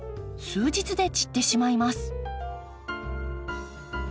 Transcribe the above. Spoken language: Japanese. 数日で散ってしまいます。